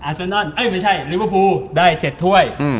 เซอร์นอนเอ้ยไม่ใช่ลิเวอร์พูลได้๗ถ้วย